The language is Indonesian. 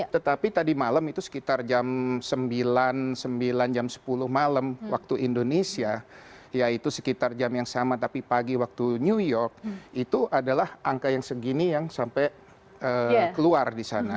tetapi tadi malam itu sekitar jam sembilan sembilan jam sepuluh malam waktu indonesia yaitu sekitar jam yang sama tapi pagi waktu new york itu adalah angka yang segini yang sampai keluar di sana